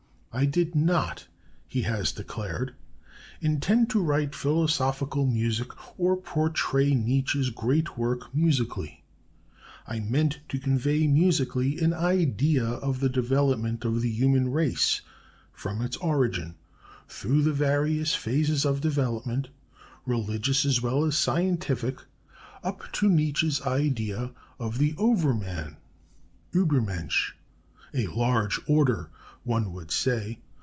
"I did not," he has declared, "intend to write philosophical music or portray Nietzsche's great work musically. I meant to convey musically an idea of the development of the human race from its origin, through the various phases of development, religious as well as scientific, up to Nietzsche's idea of the Over man (Übermensch)." A large order, one would say.